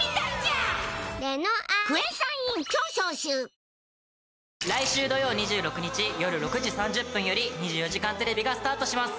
キリン「一番搾り」来週土曜２６日夜６時３０分より『２４時間テレビ』がスタートします。